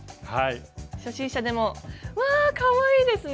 初心者でもうわかわいいですね！